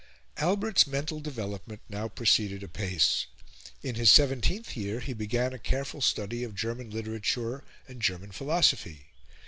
Albert's mental development now proceeded apace. In his seventeenth year he began a careful study of German literature and German philosophy.